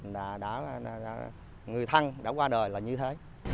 người thân đã qua đời là như thế